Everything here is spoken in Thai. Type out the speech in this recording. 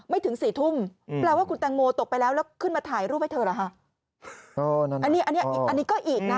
ไม่ถึง๔ทุ่มแปลว่าคุณแตงโมตกไปแล้วแล้วขึ้นมาถ่ายรูปให้เธอหรือฮะ